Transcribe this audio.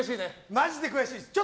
マジで悔しいです。